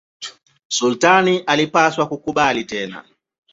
Sultani alipaswa kukubali tena.